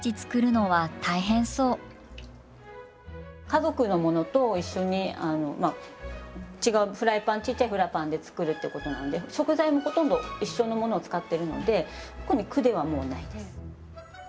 家族のものと一緒に違うフライパンちっちゃいフライパンで作るってことなんで食材もほとんど一緒のものを使ってるので特に苦ではないです。